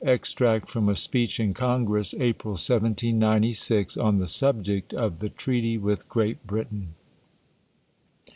Extract from a Speech in Congress, April, 1796, ON THE Subject of the Treaty with Great Britain.